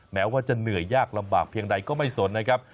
แม้ว่าจะเหนื่อยยากลำบากเพียงใดก็ไม่สนนะครับ